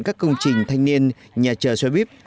các công trình thanh niên nhà chờ xoay bíp